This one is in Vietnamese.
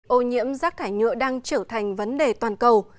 ô nhiễm rác thải nhựa đang trở thành vấn đề toàn cầu